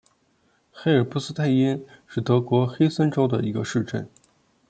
黑尔布斯泰因是德国黑森州的一个市镇。